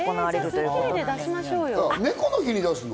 『スッキリ』で出しましょうよ。